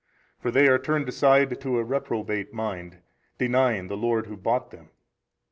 for they are turned aside to a reprobate mind, denying the Lord Who bought them.